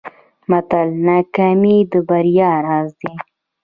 متل: ناکامي د بریا راز دی.